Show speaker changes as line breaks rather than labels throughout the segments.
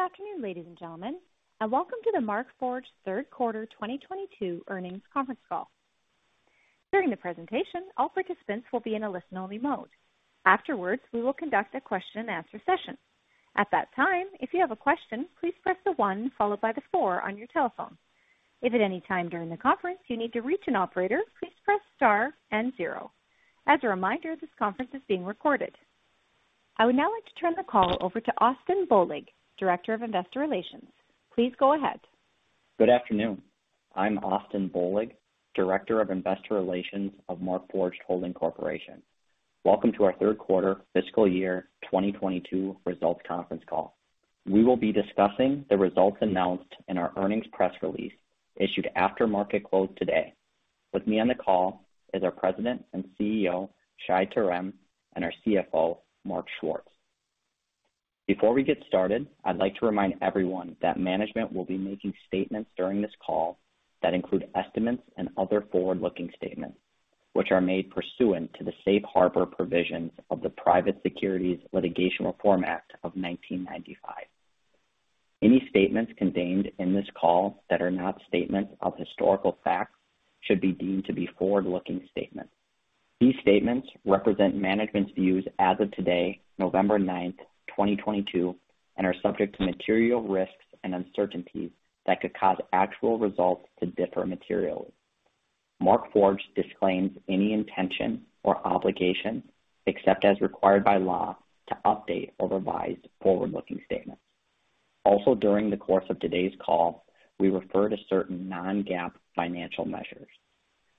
Good afternoon, ladies and gentlemen, and welcome to the Markforged third quarter 2022 earnings conference call. During the presentation, all participants will be in a listen-only mode. Afterwards, we will conduct a question and answer session. At that time, if you have a question, please press the one followed by the four on your telephone. If at any time during the conference you need to reach an operator, please press star and zero. As a reminder, this conference is being recorded. I would now like to turn the call over to Austin Bohlig, Director of Investor Relations. Please go ahead.
Good afternoon. I'm Austin Bohlig, Director of Investor Relations of Markforged Holding Corporation. Welcome to our third quarter fiscal year 2022 results conference call. We will be discussing the results announced in our earnings press release issued after market close today. With me on the call is our President and CEO, Shai Terem, and our CFO, Mark Schwartz. Before we get started, I'd like to remind everyone that management will be making statements during this call that include estimates and other forward-looking statements, which are made pursuant to the safe harbor provisions of the Private Securities Litigation Reform Act of 1995. Any statements contained in this call that are not statements of historical facts should be deemed to be forward-looking statements. These statements represent management's views as of today, November 9, 2022, and are subject to material risks and uncertainties that could cause actual results to differ materially. Markforged disclaims any intention or obligation, except as required by law, to update or revise forward-looking statements. Also, during the course of today's call, we refer to certain Non-GAAP financial measures.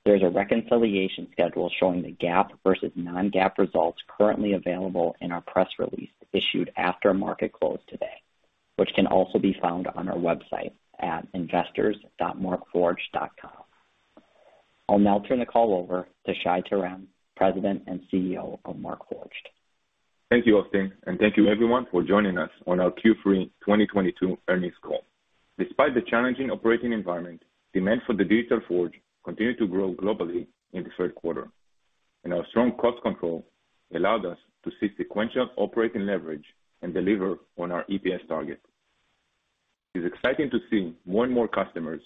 There's a reconciliation schedule showing the GAAP versus Non-GAAP results currently available in our press release issued after market close today, which can also be found on our website at investors.markforged.com. I'll now turn the call over to Shai Terem, President and CEO of Markforged.
Thank you, Austin, and thank you everyone for joining us on our Q3 2022 earnings call. Despite the challenging operating environment, demand for the Digital Forge continued to grow globally in the third quarter, and our strong cost control allowed us to see sequential operating leverage and deliver on our EPS target. It's exciting to see more and more customers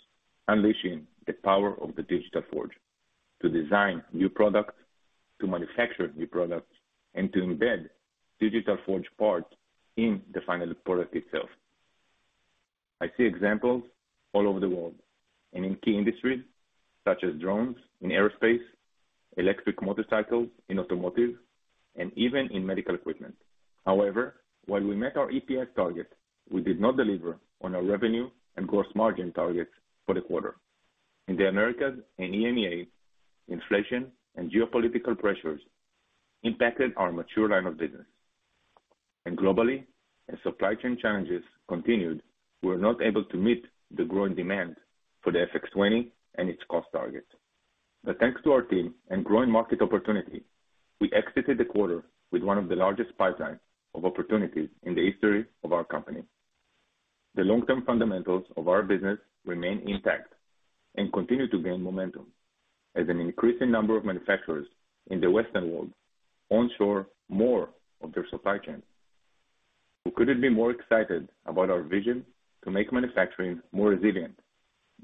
unleashing the power of the Digital Forge to design new products, to manufacture new products, and to embed Digital Forge parts in the final product itself. I see examples all over the world and in key industries such as drones in aerospace, electric motorcycles in automotive, and even in medical equipment. However, while we met our EPS target, we did not deliver on our revenue and gross margin targets for the quarter. In the Americas and EMEA, inflation and geopolitical pressures impacted our mature line of business. Globally, as supply chain challenges continued, we were not able to meet the growing demand for the FX20 and its cost targets. Thanks to our team and growing market opportunity, we exited the quarter with one of the largest pipelines of opportunities in the history of our company. The long term fundamentals of our business remain intact and continue to gain momentum as an increasing number of manufacturers in the Western world onshore more of their supply chain. We couldn't be more excited about our vision to make manufacturing more resilient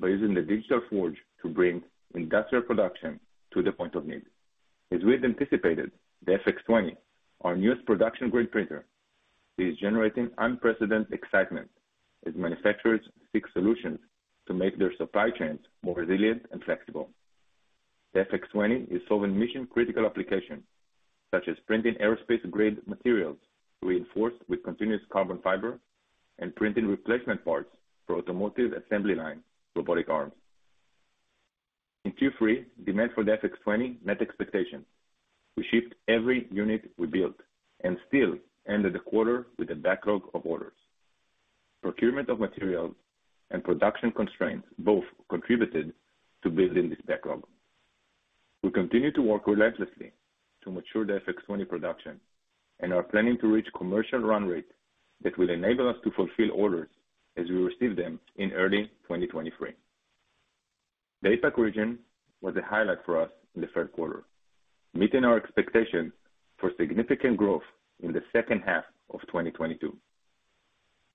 by using the Digital Forge to bring industrial production to the point of need. As we had anticipated, the FX20, our newest production-grade printer, is generating unprecedented excitement as manufacturers seek solutions to make their supply chains more resilient and flexible. The FX20 is solving mission-critical applications such as printing aerospace-grade materials reinforced with continuous carbon fiber and printing replacement parts for automotive assembly line robotic arms. In Q3, demand for the FX20 met expectations. We shipped every unit we built and still ended the quarter with a backlog of orders. Procurement of materials and production constraints both contributed to building this backlog. We continue to work relentlessly to mature the FX20 production and are planning to reach commercial run rate that will enable us to fulfill orders as we receive them in early 2023. The APAC region was a highlight for us in the third quarter, meeting our expectations for significant growth in the second half of 2022.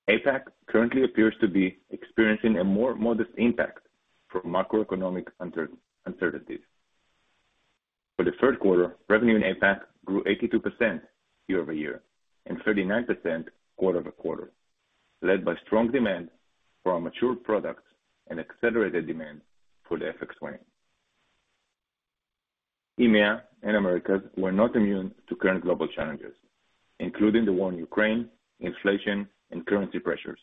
APAC currently appears to be experiencing a more modest impact from macroeconomic uncertainties. For the third quarter, revenue in APAC grew 82% year-over-year and 39% quarter-over-quarter, led by strong demand for our mature products and accelerated demand for the FX20. EMEA and Americas were not immune to current global challenges, including the war in Ukraine, inflation, and currency pressures.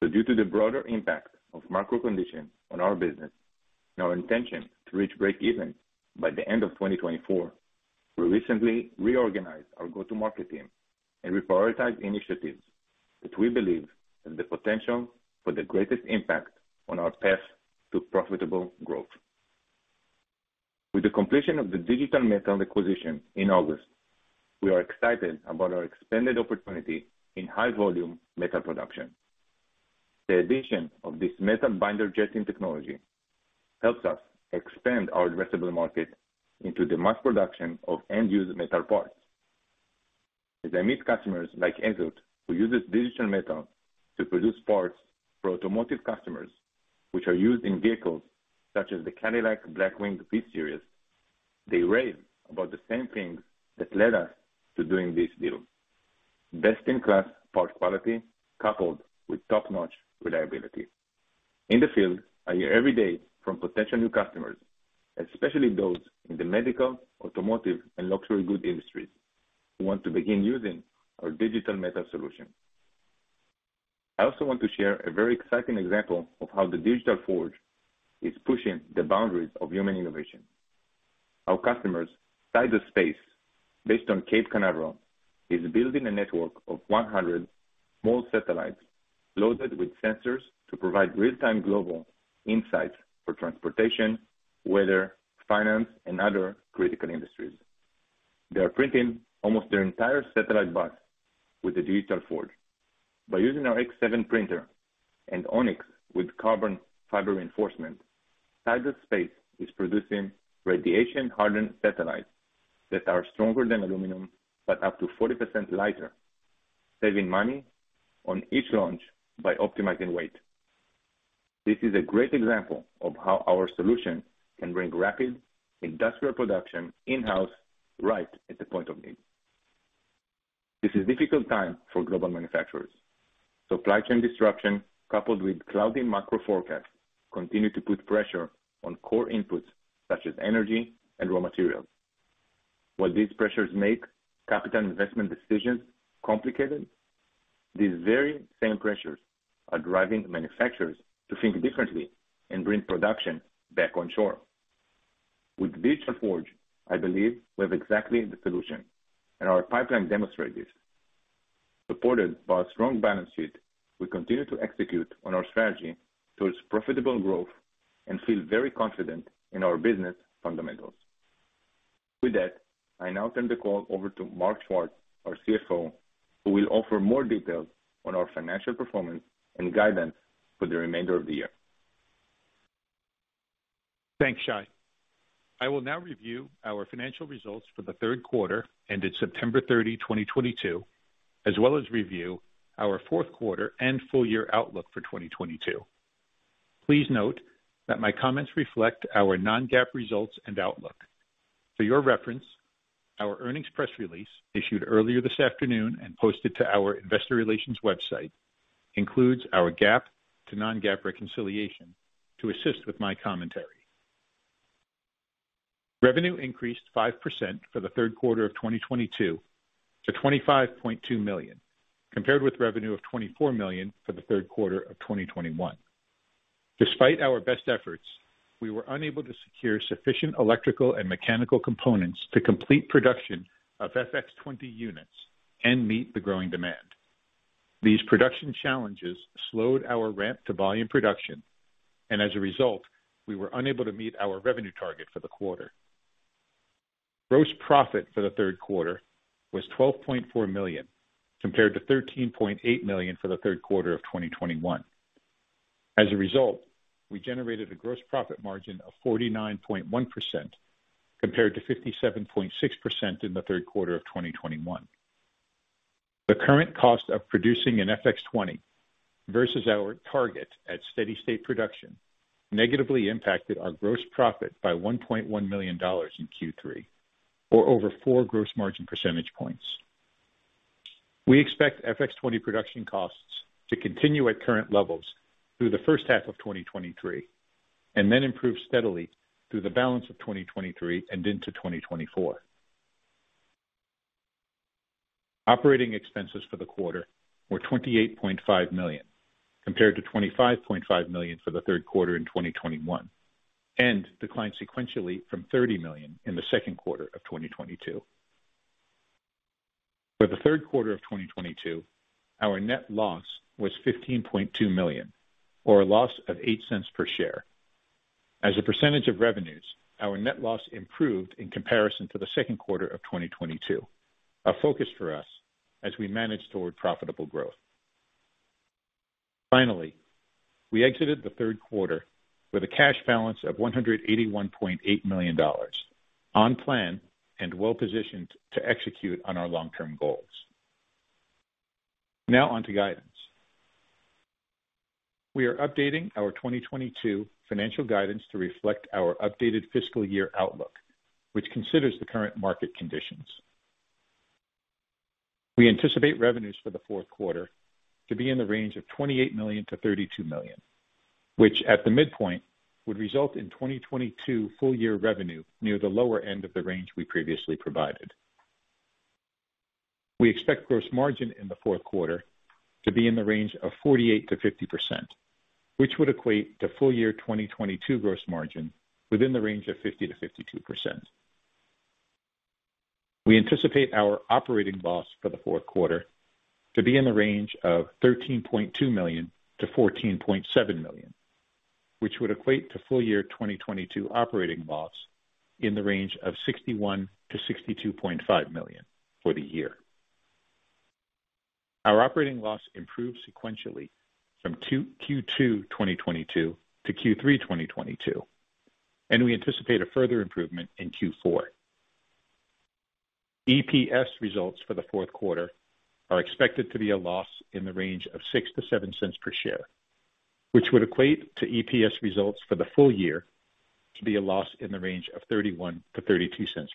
Due to the broader impact of macro conditions on our business and our intention to reach breakeven by the end of 2024, we recently reorganized our go-to-market team and reprioritized initiatives that we believe have the potential for the greatest impact on our path to profitable growth. With the completion of the Digital Metal acquisition in August, we are excited about our expanded opportunity in high volume metal production. The addition of this metal binder jetting technology helps us expand our addressable market into the mass production of end-use metal parts. As I meet customers like Azoth, who uses Digital Metal to produce parts for automotive customers which are used in vehicles such as the Cadillac V-Series Blackwing, they rave about the same things that led us to doing this deal. Best-in-class parts quality coupled with top-notch reliability. In the field, I hear every day from potential new customers, especially those in the medical, automotive, and luxury goods industries, who want to begin using our Digital Metal solution. I also want to share a very exciting example of how the Digital Forge is pushing the boundaries of human innovation. Our customers, Sidus Space, based in Cape Canaveral, is building a network of 100 small satellites loaded with sensors to provide real-time global insights for transportation, weather, finance, and other critical industries. They are printing almost their entire satellite bus with the Digital Forge. By using our X7 printer and Onyx with carbon fiber reinforcement, Sidus Space is producing radiation-hardened satellites that are stronger than aluminum, but up to 40% lighter, saving money on each launch by optimizing weight. This is a great example of how our solution can bring rapid industrial production in-house right at the point of need. This is a difficult time for global manufacturers. Supply chain disruption coupled with cloudy macro forecasts continue to put pressure on core inputs such as energy and raw materials. While these pressures make capital investment decisions complicated, these very same pressures are driving manufacturers to think differently and bring production back on shore. With Digital Forge, I believe we have exactly the solution, and our pipeline demonstrates this. Supported by a strong balance sheet, we continue to execute on our strategy towards profitable growth and feel very confident in our business fundamentals. With that, I now turn the call over to Mark Schwartz, our CFO, who will offer more details on our financial performance and guidance for the remainder of the year.
Thanks, Shai. I will now review our financial results for the third quarter ended September 30, 2022, as well as review our fourth quarter and full year outlook for 2022. Please note that my comments reflect our Non-GAAP results and outlook. For your reference, our earnings press release, issued earlier this afternoon and posted to our investor relations website, includes our GAAP to Non-GAAP reconciliation to assist with my commentary. Revenue increased 5% for the third quarter of 2022 to $25.2 million, compared with revenue of $24 million for the third quarter of 2021. Despite our best efforts, we were unable to secure sufficient electrical and mechanical components to complete production of FX20 units and meet the growing demand. These production challenges slowed our ramp to volume production and as a result, we were unable to meet our revenue target for the quarter. Gross profit for the third quarter was $12.4 million, compared to $13.8 million for the third quarter of 2021. As a result, we generated a gross profit margin of 49.1% compared to 57.6% in the third quarter of 2021. The current cost of producing an FX20 versus our target at steady state production negatively impacted our gross profit by $1.1 million in Q3, or over four gross margin percentage points. We expect FX20 production costs to continue at current levels through the first half of 2023, and then improve steadily through the balance of 2023 and into 2024. Operating expenses for the quarter were $28.5 million, compared to $25.5 million for the third quarter of 2021, and declined sequentially from $30 million in the second quarter of 2022. For the third quarter of 2022, our net loss was $15.2 million or a loss of $0.08 per share. As a percentage of revenues, our net loss improved in comparison to the second quarter of 2022, a focus for us as we manage toward profitable growth. Finally, we exited the third quarter with a cash balance of $181.8 million on plan and well-positioned to execute on our long-term goals. Now on to guidance. We are updating our 2022 financial guidance to reflect our updated fiscal year outlook, which considers the current market conditions. We anticipate revenues for the fourth quarter to be in the range of $28 million-$32 million, which at the midpoint would result in 2022 full-year revenue near the lower end of the range we previously provided. We expect gross margin in the fourth quarter to be in the range of 48%-50%, which would equate to full-year 2022 gross margin within the range of 50%-52%. We anticipate our operating loss for the fourth quarter to be in the range of $13.2 million-$14.7 million, which would equate to full-year 2022 operating loss in the range of $61 million-$62.5 million for the year. Our operating loss improved sequentially from Q2 2022 to Q3 2022, and we anticipate a further improvement in Q4. EPS results for the fourth quarter are expected to be a loss in the range of $0.06-$0.07 per share, which would equate to EPS results for the full year to be a loss in the range of $0.31-$0.32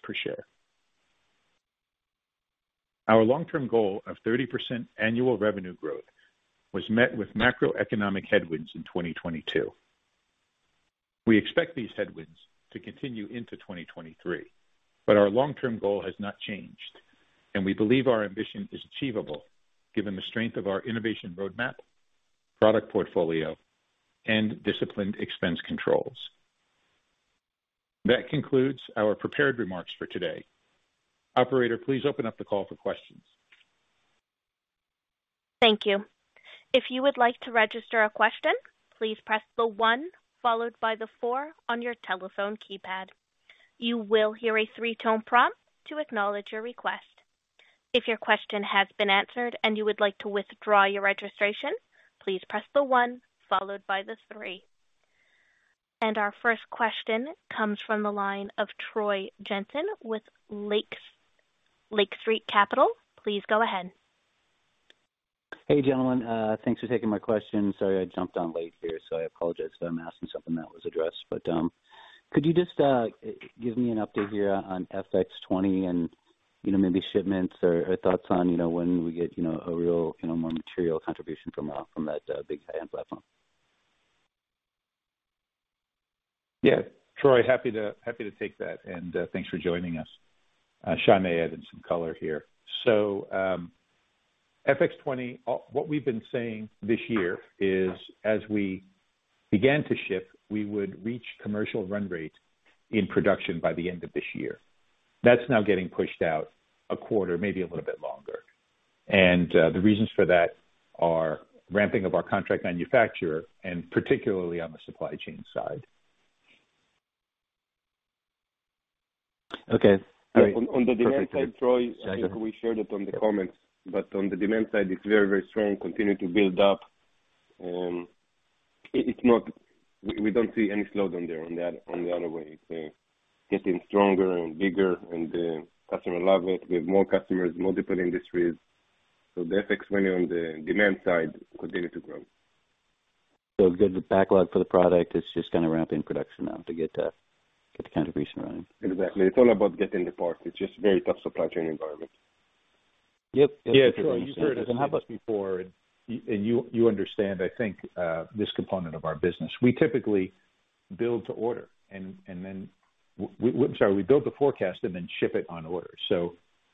per share. Our long-term goal of 30% annual revenue growth was met with macroeconomic headwinds in 2022. We expect these headwinds to continue into 2023, but our long-term goal has not changed, and we believe our ambition is achievable given the strength of our innovation roadmap, product portfolio, and disciplined expense controls. That concludes our prepared remarks for today. Operator, please open up the call for questions.
Thank you. If you would like to register a question, please press the one followed by the four on your telephone keypad. You will hear a three-tone prompt to acknowledge your request. If your question has been answered and you would like to withdraw your registration, please press the one followed by the three. Our first question comes from the line of Troy Jensen with Lake Street Capital Markets. Please go ahead.
Hey, gentlemen. Thanks for taking my question. Sorry, I jumped on late here, so I apologize if I'm asking something that was addressed. Could you just give me an update here on FX20 and, you know, maybe shipments or thoughts on, you know, when we get, you know, a real, you know, more material contribution from that big high-end platform?
Yeah. Troy, happy to take that, and thanks for joining us. Shai may add in some color here. FX20, what we've been saying this year is, as we began to ship, we would reach commercial run rate in production by the end of this year. That's now getting pushed out a quarter, maybe a little bit longer. The reasons for that are ramping of our contract manufacturer and particularly on the supply chain side.
Okay. Great.
On the demand side, Troy, I think we shared it in the comments, but on the demand side, it's very, very strong, continuing to build up. It's not we don't see any slowdown there in any other way. It's getting stronger and bigger, and customers love it. We have more customers, multiple industries. The FX20 on the demand side continue to grow.
Good backlog for the product. It's just kind of ramping production now to get the contribution running.
Exactly. It's all about getting the parts. It's just very tough supply chain environment.
Yep.
Yeah. Troy, you've heard us and had us before, and you understand, I think, this component of our business. We typically build to order. We build the forecast and then ship it on order.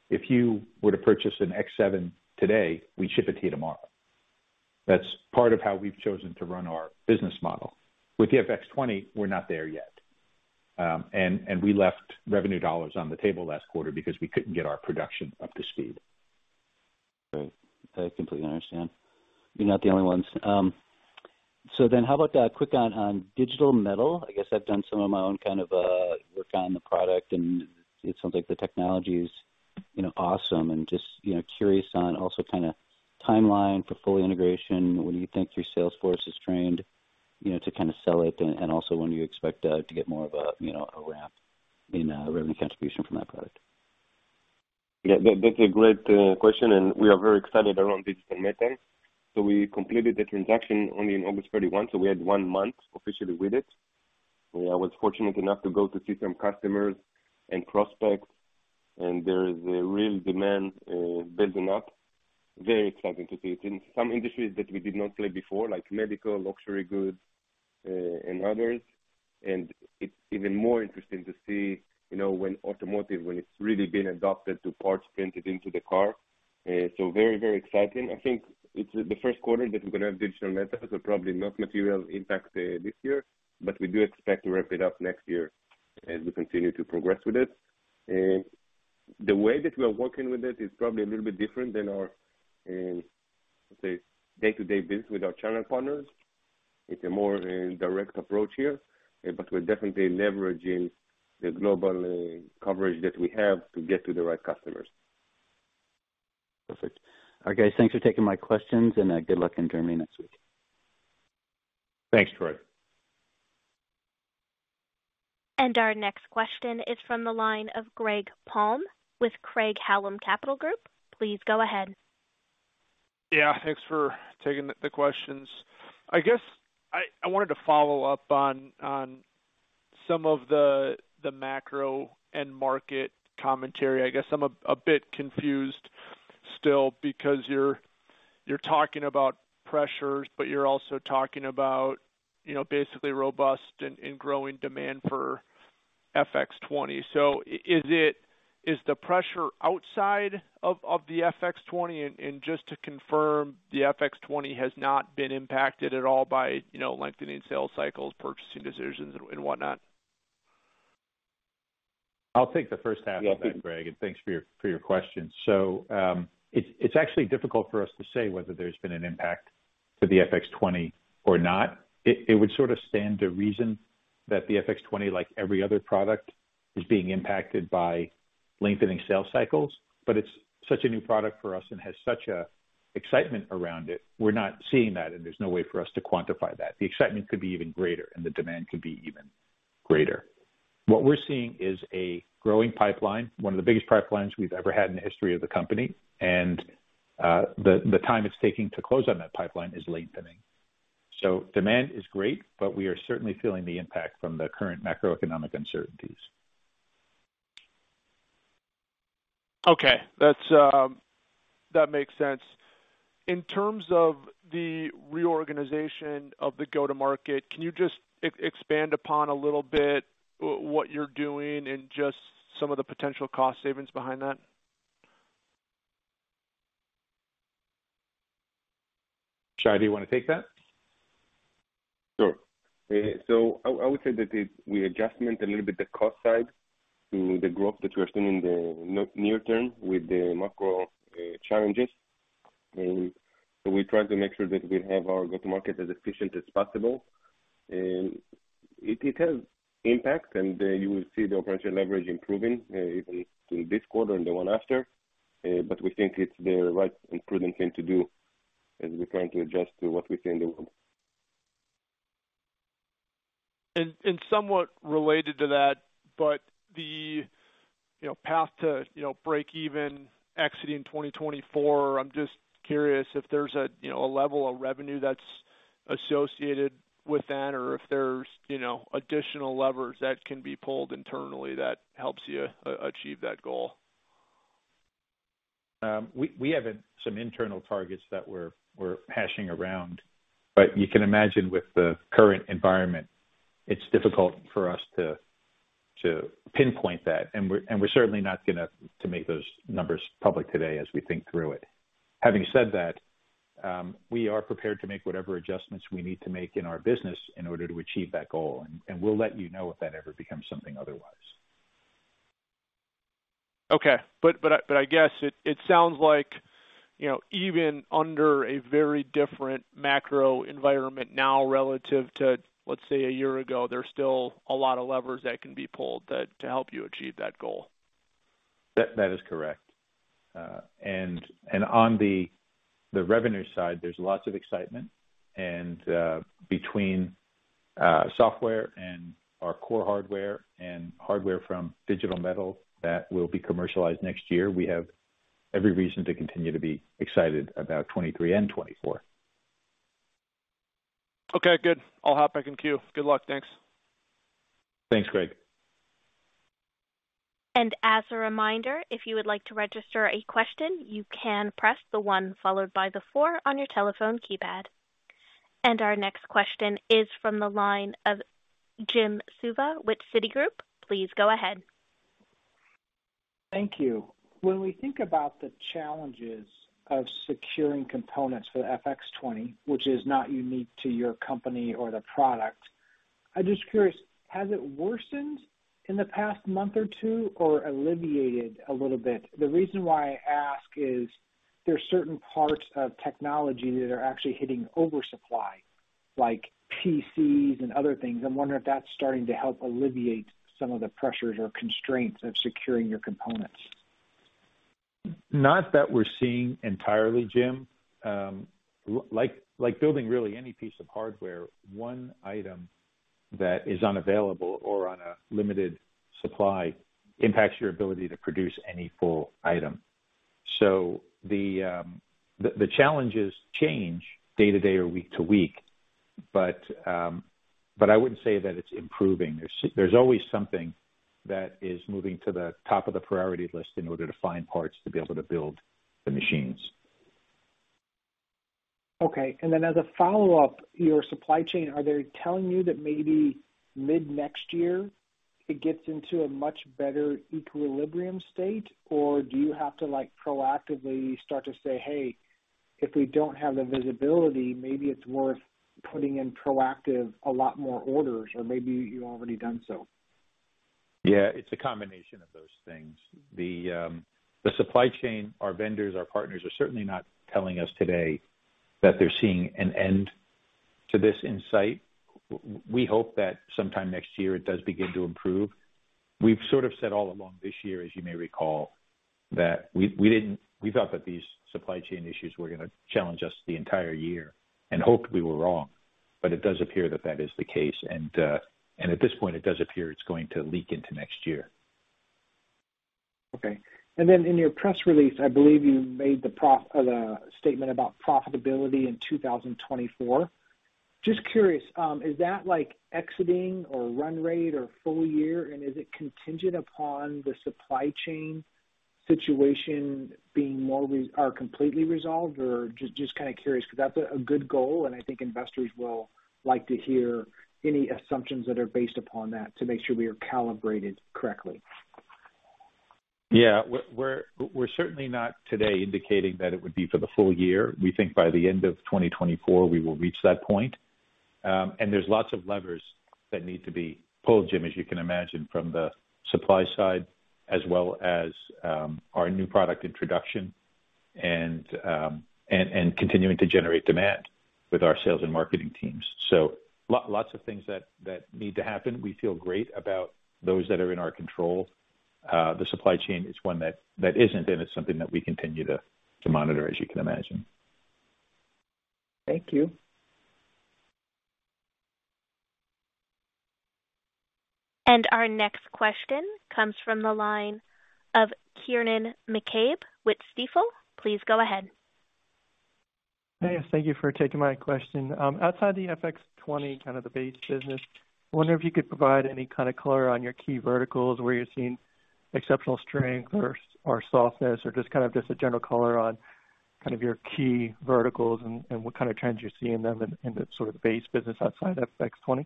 If you were to purchase an X7 today, we ship it to you tomorrow. That's part of how we've chosen to run our business model. With the FX20, we're not there yet. We left revenue dollars on the table last quarter because we couldn't get our production up to speed.
Right. I completely understand. You're not the only ones. So then how about quick on Digital Metal? I guess I've done some of my own kind of work on the product, and it sounds like the technology is, you know, awesome. Just, you know, curious on also kinda timeline for full integration. When you think your sales force is trained, you know, to kind of sell it and also when you expect to get more of a, you know, a ramp in revenue contribution from that product.
Yeah. That's a great question, and we are very excited around Digital Metal. We completed the transaction only on August 31, so we had one month officially with it. I was fortunate enough to go to see some customers and prospects, and there is a real demand building up. Very exciting to see it in some industries that we did not play before, like medical, luxury goods, and others. It's even more interesting to see, you know, in automotive, when it's really been adopted to parts printed into the car. Very, very exciting. I think it's the first quarter that we're gonna have Digital Metal, so probably not material impact this year, but we do expect to ramp it up next year as we continue to progress with it. The way that we are working with it is probably a little bit different than our say, day-to-day business with our channel partners. It's a more direct approach here, but we're definitely leveraging the global coverage that we have to get to the right customers.
Perfect. All right, guys, thanks for taking my questions, and good luck in Germany next week.
Thanks, Troy.
Our next question is from the line of Greg Palm with Craig-Hallum Capital Group. Please go ahead.
Yeah. Thanks for taking the questions. I guess I wanted to follow up on some of the macro end market commentary. I guess I'm a bit confused still because you're talking about pressures, but you're also talking about, you know, basically robust and growing demand for FX20. Is the pressure outside of the FX20? Just to confirm, the FX20 has not been impacted at all by, you know, lengthening sales cycles, purchasing decisions and whatnot?
I'll take the first half of that, Greg, and thanks for your question. It's actually difficult for us to say whether there's been an impact to the FX20 or not. It would sort of stand to reason that the FX20, like every other product, is being impacted by lengthening sales cycles. It's such a new product for us and has such a excitement around it, we're not seeing that, and there's no way for us to quantify that. The excitement could be even greater, and the demand could be even greater. What we're seeing is a growing pipeline, one of the biggest pipelines we've ever had in the history of the company, and the time it's taking to close on that pipeline is lengthening. Demand is great, but we are certainly feeling the impact from the current macroeconomic uncertainties.
Okay. That makes sense. In terms of the reorganization of the go-to-market, can you just expand upon a little bit what you're doing and just some of the potential cost savings behind that?
Shai, do you wanna take that?
Sure. I would say we adjusted a little bit the cost side to the growth that we are seeing in the near term with the macro challenges. We try to make sure that we have our go-to-market as efficient as possible. It has impact, and you will see the operational leverage improving even in this quarter and the one after. We think it's the right and prudent thing to do as we're trying to adjust to what we can do.
Somewhat related to that, but the, you know, path to, you know, break even exiting 2024, I'm just curious if there's a, you know, a level of revenue that's associated with that or if there's, you know, additional levers that can be pulled internally that helps you achieve that goal.
We have some internal targets that we're hashing around, but you can imagine with the current environment, it's difficult for us to pinpoint that. We're certainly not to make those numbers public today as we think through it. Having said that, we are prepared to make whatever adjustments we need to make in our business in order to achieve that goal, and we'll let you know if that ever becomes something otherwise.
Okay. I guess it sounds like, you know, even under a very different macro environment now relative to, let's say, a year ago, there's still a lot of levers that can be pulled to help you achieve that goal.
That is correct. On the revenue side, there's lots of excitement. Between software and our core hardware and hardware from Digital Metal that will be commercialized next year, we have every reason to continue to be excited about 2023 and 2024.
Okay, good. I'll hop back in queue. Good luck. Thanks.
Thanks, Greg.
As a reminder, if you would like to register a question, you can press the 1 followed by the 4 on your telephone keypad. Our next question is from the line of Jim Suva with Citigroup. Please go ahead.
Thank you. When we think about the challenges of securing components for the FX20, which is not unique to your company or the product, I'm just curious, has it worsened in the past month or two or alleviated a little bit? The reason why I ask is there are certain parts of technology that are actually hitting oversupply, like PCs and other things. I'm wondering if that's starting to help alleviate some of the pressures or constraints of securing your components.
Not that we're seeing entirely, Jim. Like building really any piece of hardware, one item that is unavailable or on a limited supply impacts your ability to produce any full item. The challenges change day to day or week to week, but I wouldn't say that it's improving. There's always something that is moving to the top of the priority list in order to find parts to be able to build the machines.
Okay. As a follow-up, your supply chain, are they telling you that maybe mid-next year it gets into a much better equilibrium state, or do you have to, like, proactively start to say, "Hey, if we don't have the visibility, maybe it's worth putting in proactively a lot more orders," or maybe you've already done so?
Yeah, it's a combination of those things. The supply chain, our vendors, our partners are certainly not telling us today that they're seeing an end to this in sight. We hope that sometime next year it does begin to improve. We've sort of said all along this year, as you may recall, that we thought that these supply chain issues were gonna challenge us the entire year and hoped we were wrong, but it does appear that is the case. At this point it does appear it's going to leak into next year.
Okay. In your press release, I believe you made the statement about profitability in 2024. Just curious, is that like exiting or run rate or full year, and is it contingent upon the supply chain situation being more resolved or completely resolved? Just kinda curious, 'cause that's a good goal, and I think investors will like to hear any assumptions that are based upon that to make sure we are calibrated correctly.
Yeah. We're certainly not today indicating that it would be for the full year. We think by the end of 2024 we will reach that point. There's lots of levers that need to be pulled, Jim, as you can imagine, from the supply side as well as our new product introduction and continuing to generate demand with our sales and marketing teams. Lots of things that need to happen. We feel great about those that are in our control. The supply chain is one that isn't, and it's something that we continue to monitor, as you can imagine.
Thank you.
Our next question comes from the line of Noelle Dilts with Stifel. Please go ahead.
Yes, thank you for taking my question. Outside the FX20 kind of the base business, I wonder if you could provide any kind of color on your key verticals where you're seeing exceptional strength or softness or just kind of your key verticals and what kind of trends you see in them in the sort of base business outside FX20.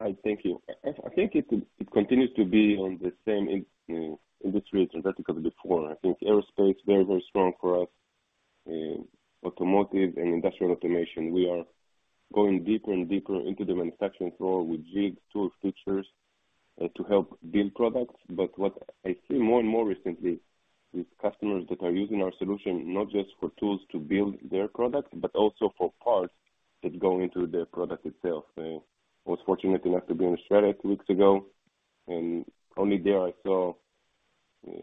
All right. Thank you. I think it continues to be on the same industries and verticals before. I think aerospace very, very strong for us. Automotive and industrial automation. We are going deeper and deeper into the manufacturing floor with jig tool fixtures to help build products. What I see more and more recently with customers that are using our solution not just for tools to build their products, but also for parts that go into the product itself. I was fortunate enough to be in Australia two weeks ago, and only there I saw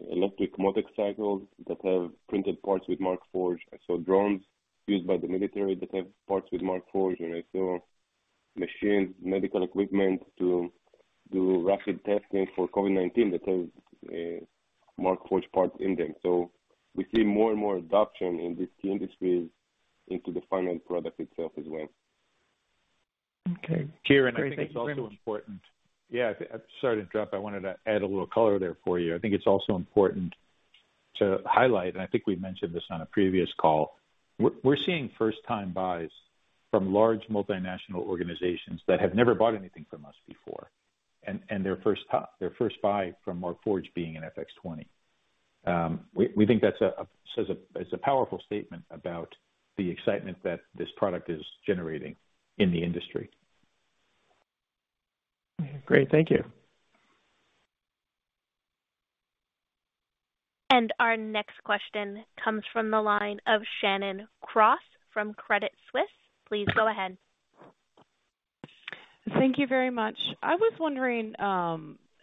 electric motorcycles that have printed parts with Markforged. I saw drones used by the military that have parts with Markforged, and I saw machines, medical equipment to do rapid testing for COVID-19 that have Markforged parts in them. We see more and more adoption in these key industries into the final product itself as well.
Okay. Great. Thank you very much.
Noelle, I think it's also important. Yeah, sorry to interrupt. I wanted to add a little color there for you. I think it's also important to highlight. I think we've mentioned this on a previous call. We're seeing first time buys from large multinational organizations that have never bought anything from us before, and their first buy from Markforged being an FX20. We think that's a powerful statement about the excitement that this product is generating in the industry.
Great. Thank you.
Our next question comes from the line of Shannon Cross from Credit Suisse. Please go ahead.
Thank you very much. I was wondering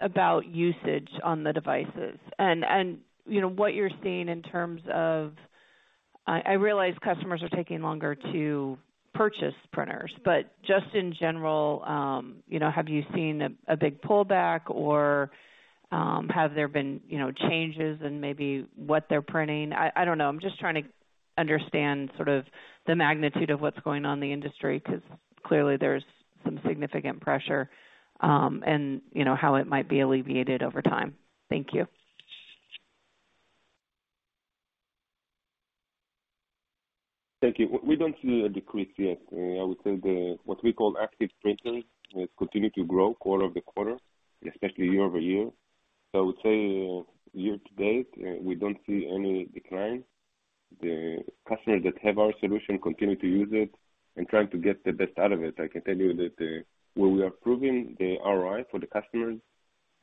about usage on the devices and you know what you're seeing in terms of. I realize customers are taking longer to purchase printers, but just in general you know have you seen a big pullback or have there been you know changes in maybe what they're printing? I don't know. I'm just trying to understand sort of the magnitude of what's going on in the industry, 'cause clearly there's some significant pressure and you know how it might be alleviated over time. Thank you.
Thank you. We don't see a decrease yet. I would say what we call active printing has continued to grow quarter-over-quarter, especially year-over-year. I would say year to date, we don't see any decline. The customers that have our solution continue to use it and trying to get the best out of it. I can tell you that, when we are proving the ROI for the customers,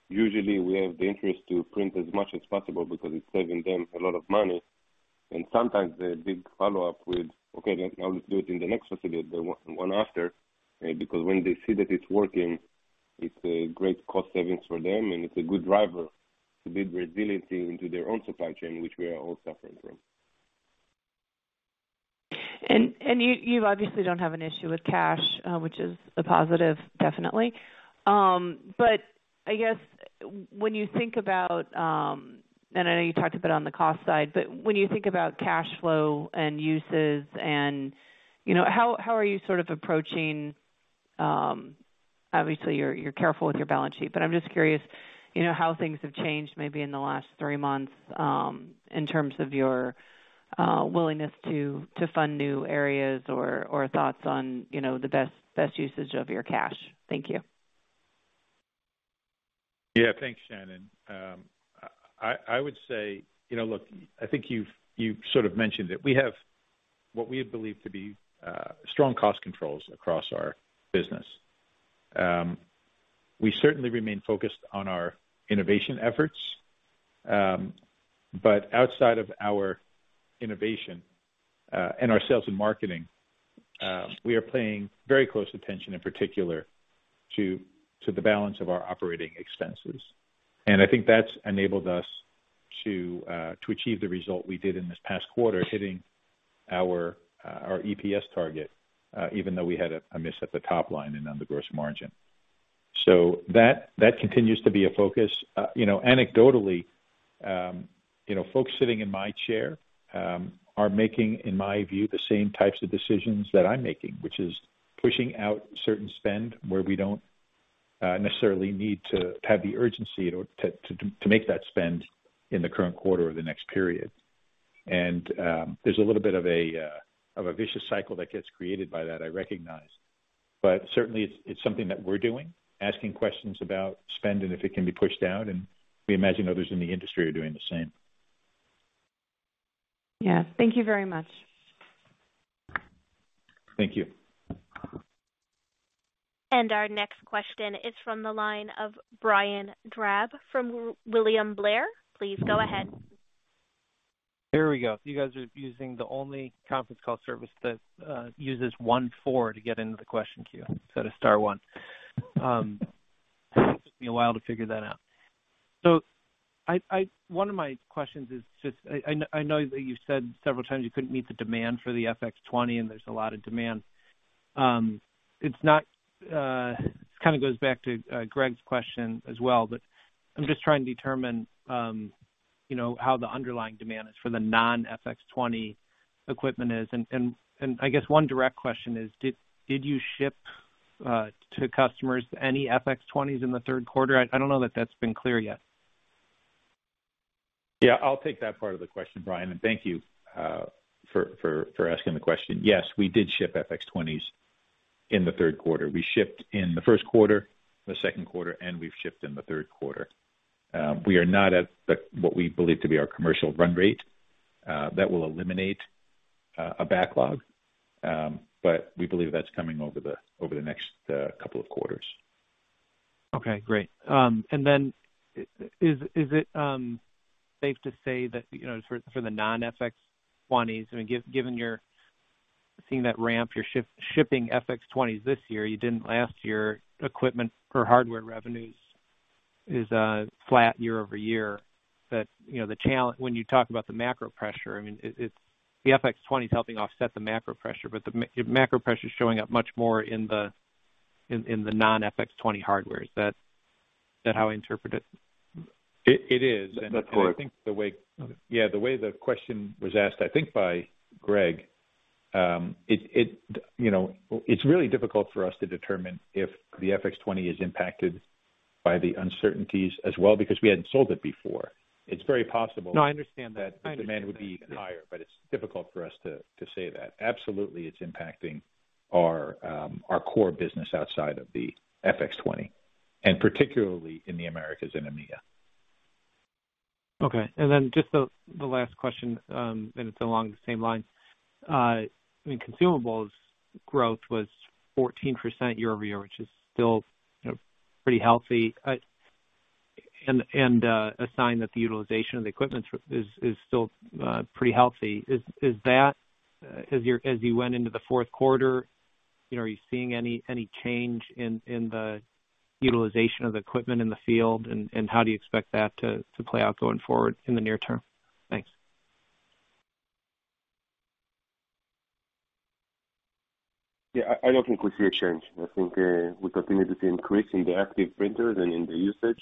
usually we have the interest to print as much as possible because it's saving them a lot of money. Sometimes they did follow up with, "Okay, then now let's do it in the next facility, the one after." Because when they see that it's working, it's a great cost savings for them, and it's a good driver to build resiliency into their own supply chain, which we are all suffering from.
You obviously don't have an issue with cash, which is a positive, definitely. I guess, and I know you talked a bit on the cost side, but when you think about cash flow and uses and, you know, how are you sort of approaching. Obviously you're careful with your balance sheet, but I'm just curious, you know, how things have changed maybe in the last three months, in terms of your willingness to fund new areas or thoughts on, you know, the best usage of your cash. Thank you.
Yeah. Thanks, Shannon. I would say, you know, look, I think you've sort of mentioned it. We have what we believe to be strong cost controls across our business. We certainly remain focused on our innovation efforts. Outside of our innovation and our sales and marketing, we are paying very close attention in particular to the balance of our operating expenses. I think that's enabled us to achieve the result we did in this past quarter, hitting our EPS target, even though we had a miss at the top line and on the gross margin. That continues to be a focus. You know, anecdotally, you know, folks sitting in my chair are making, in my view, the same types of decisions that I'm making, which is pushing out certain spend where we don't necessarily need to have the urgency or to make that spend in the current quarter or the next period. There's a little bit of a vicious cycle that gets created by that, I recognize. But certainly it's something that we're doing, asking questions about spend and if it can be pushed out, and we imagine others in the industry are doing the same.
Yeah. Thank you very much.
Thank you.
Our next question is from the line of Brian Drab from William Blair. Please go ahead.
Here we go. You guys are using the only conference call service that uses 14 to get into the question queue instead of star one. Took me a while to figure that out. One of my questions is just I know that you said several times you couldn't meet the demand for the FX20 and there's a lot of demand. It's kind of goes back to Greg's question as well, but I'm just trying to determine you know how the underlying demand is for the non-FX20 equipment is. I guess one direct question is did you ship to customers any FX20s in the third quarter? I don't know that that's been clear yet.
Yeah, I'll take that part of the question, Brian, and thank you for asking the question. Yes, we did ship FX-20s in the third quarter. We shipped in the first quarter, the second quarter, and we've shipped in the third quarter. We are not at what we believe to be our commercial run rate that will eliminate a backlog, but we believe that's coming over the next couple of quarters.
Okay, great. Is it safe to say that, you know, for the non-FX20s, I mean, given you're seeing that ramp, you're shipping FX20s this year, you didn't last year, equipment for hardware revenues is flat year-over-year. You know, when you talk about the macro pressure, I mean, it's the FX20 is helping offset the macro pressure, but the macro pressure is showing up much more in the non-FX20 hardware. Is that how I interpret it?
It is.
That's correct.
I think the way.
Okay.
Yeah, the way the question was asked, I think by Greg, you know, it's really difficult for us to determine if the FX20 is impacted by the uncertainties as well because we hadn't sold it before. It's very possible.
No, I understand that.
The demand would be even higher, but it's difficult for us to say that. Absolutely, it's impacting our core business outside of the FX20, and particularly in the Americas and EMEA.
Okay. Then just the last question, and it's along the same lines. I mean, consumables growth was 14% year-over-year, which is still, you know, pretty healthy. and a sign that the utilization of the equipment is still pretty healthy. As you went into the fourth quarter, you know, are you seeing any change in the utilization of the equipment in the field and how do you expect that to play out going forward in the near term? Thanks.
I don't think we see a change. I think we continue to see increase in the active printers and in the usage.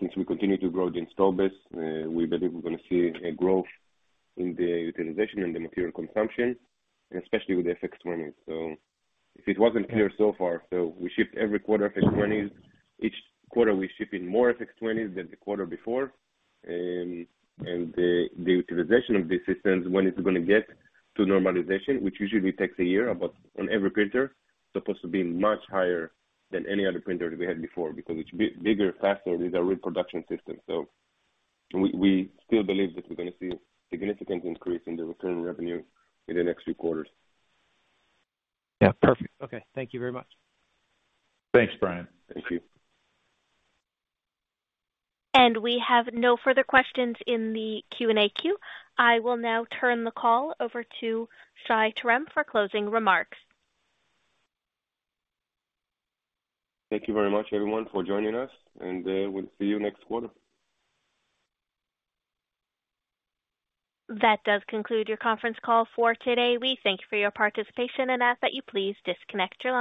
Since we continue to grow the install base, we believe we're gonna see a growth in the utilization and the material consumption, especially with FX-20s. If it wasn't clear so far, we ship every quarter FX-20s. Each quarter, we're shipping more FX-20s than the quarter before. The utilization of the systems when it's gonna get to normalization, which usually takes a year about on every printer, supposed to be much higher than any other printer that we had before because it's bigger, faster. These are production systems. We still believe that we're gonna see significant increase in the recurring revenue in the next few quarters.
Yeah. Perfect. Okay. Thank you very much.
Thanks, Brian.
Thank you.
We have no further questions in the Q&A queue. I will now turn the call over to Shai Terem for closing remarks.
Thank you very much everyone for joining us, and we'll see you next quarter.
That does conclude your conference call for today. We thank you for your participation and ask that you please disconnect your lines.